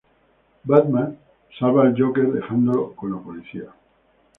Batman salva al Joker, dejándolo con la policía.